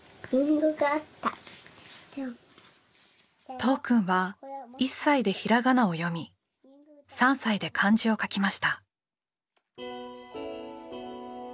都央くんは１歳でひらがなを読み３歳で漢字を書きました。